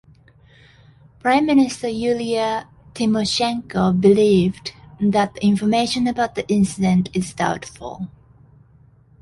Prime Minister Yulia Tymoshenko believed that the information about the incident is doubtful.